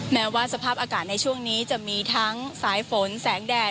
แม้ว่าสภาพอากาศในช่วงนี้จะมีทั้งสายฝนแสงแดด